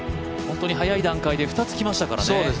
本当に早い段階で２つきましたからね。